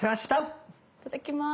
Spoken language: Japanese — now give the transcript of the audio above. いただきます。